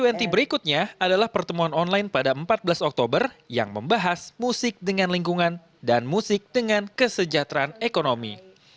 berikutnya adalah pertemuan online pada empat belas oktober yang membahas musik dengan lingkungan dan musik dengan kesejahteraan ekonomi